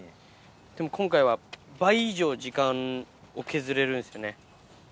でも今回は倍以上時間を削れるんですよね。